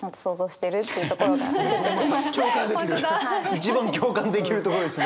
一番共感できるところですね。